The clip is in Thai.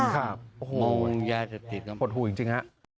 ค่ะโอ้โฮปลดหูจริงนะ